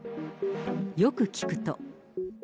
よく聞くと。